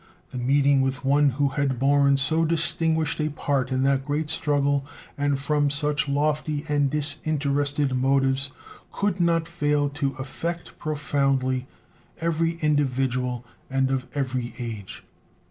The meeting with one who had borne so distinguished a part in that great struggle, and from such lofty and disinterested motives, could not fail to affect profoundly every individual and of every age.